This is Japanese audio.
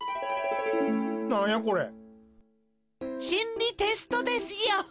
りテストですよ。